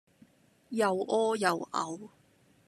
又屙又嘔